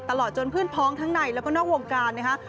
ตลอดจนเพื่อนพ้องทั้งในแล้วก็นอกวงการนะคะ